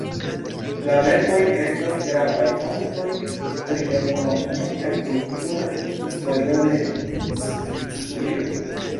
La verkoj estas gravaj fontoj pri la ekonomia kaj kultura historio de Svisujo.